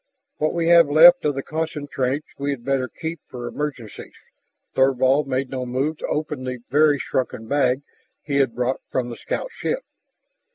"What we have left of the concentrates we had better keep for emergencies." Thorvald made no move to open the very shrunken bag he had brought from the scoutship.